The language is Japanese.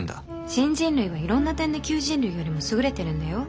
新人類はいろんな点で旧人類よりも優れてるんだよ。